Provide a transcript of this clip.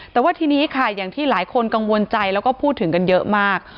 แต่ว่าทีนี้ค่ะอย่างที่หลายคนกังวลใจแล้วก็พูดถึงกันเยอะมาก